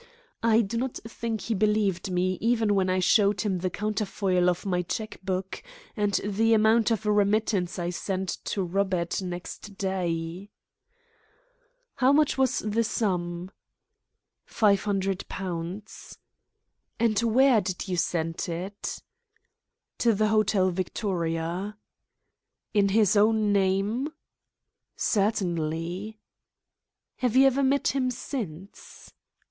I do not think he believed me, even when I showed him the counterfoil of my cheque book, and the amount of a remittance I sent to Robert next day." "How much was the sum?" "Five hundred pounds." "And where did you send it?" "To the Hotel Victoria." "In his own name?" "Certainly." "Have you ever met him since?"